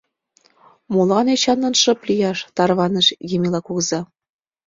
Молан Эчанлан шып лияш, — тарваныш Емела кугыза.